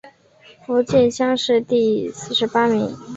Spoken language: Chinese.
福建乡试第四十八名。